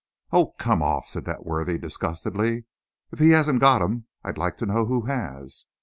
"Oh, come off!" said that worthy disgustedly. "If he hasn't got 'em I'd like to know who has!"